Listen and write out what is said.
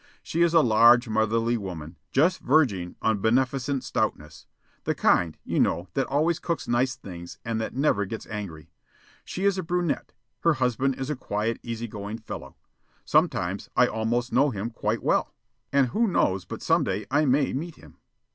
She is a large, motherly woman, just verging on beneficent stoutness the kind, you know, that always cooks nice things and that never gets angry. She is a brunette. Her husband is a quiet, easy going fellow. Sometimes I almost know him quite well. And who knows but some day I may meet him?